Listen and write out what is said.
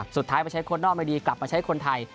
สุดท้ายไปใช้คนนอกไม่ดีกลับมาใช้คนไทย